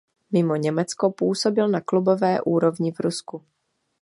Mimo Německo působil na klubové úrovni v Rusku.